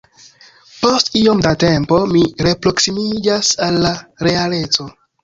Post iom da tempo, mi reproksimiĝas al realeco.